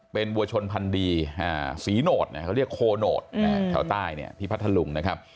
เป็นวัวชนพันดีศรีโนตเขาเรียกโคโนตแถวใต้ที่พัทธลุงนะครับ